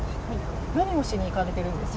何をしに行かれてるんですか？